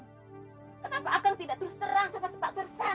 kenapa akang tidak terus terang sama sepak gersan